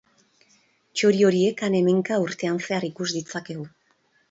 Txori horiek han-hemenka urtean zehar ikus ditzakegu.